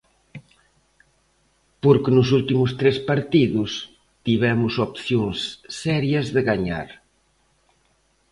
Porque nos tres últimos partidos, tivemos opcións serias de gañar.